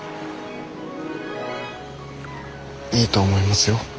いいと思いますよ